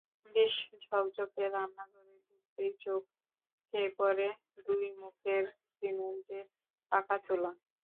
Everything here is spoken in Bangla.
বেশ ঝকঝকে রান্নাঘরে ঢুকতেই চোখে পড়ে দুই মুখের সিমেন্টের পাকা চুলা।